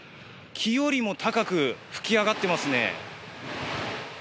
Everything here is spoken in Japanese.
木よりも高く噴き上がってますね。